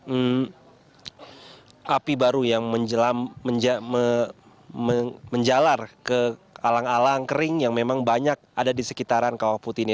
dan menyebabkan api baru yang menjelar ke alang alang kering yang memang banyak ada di sekitaran kawah putih ini